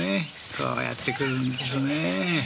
こうやってくるんですね。